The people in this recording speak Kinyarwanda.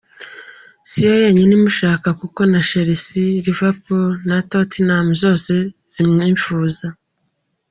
Si yo yonyine imushaka kuko na Chelsea, Liverpool na Tottenham zose zimwifuza.